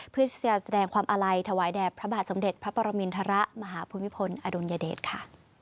เพื่อแสดงความอาลัยถวายแด่พระบาทสมเด็จพระปรมินทรมาหาภูมิพลอดุลยเดชค่ะ